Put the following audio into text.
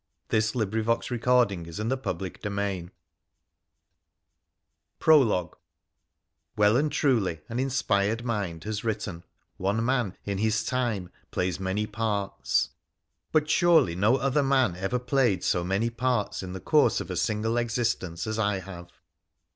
THE WONDERFUL ADVENTURES OF PHRA THE PHOENICIAN PROLOGUE Well and truly an inspired mind has written, ' One man in his time plays many parts,' but surely no other man ever played so many parts in the course of a single existence as I have.